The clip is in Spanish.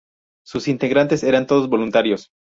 Sus integrantes eran todos voluntarios.